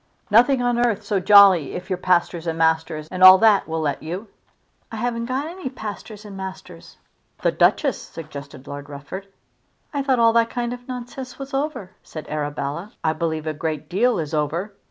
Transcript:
"Nothing on earth so jolly if your pastors and masters and all that will let you." "I haven't got any pastors and masters." "The Duchess!" suggested Lord Rufford. "I thought all that kind of nonsense was over," said Arabella. "I believe a great deal is over.